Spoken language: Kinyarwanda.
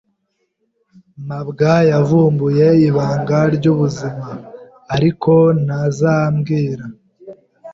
mabwa yavumbuye ibanga ryubuzima, ariko ntazambwira.